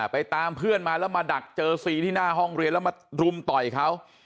ไปตามเพื่อนมาแล้วมาดักเจอซีที่หน้าห้องเรียนแล้วมารุมต่อยเขา